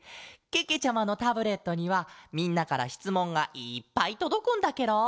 けけちゃまのタブレットにはみんなからしつもんがいっぱいとどくんだケロ！